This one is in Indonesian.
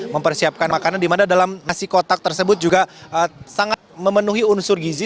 makanan dimana dalam nasi kotak tersebut juga sangat memenuhi unsur gizi